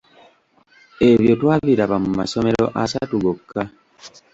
Ebyo twabiraba mu masomero asatu gokka.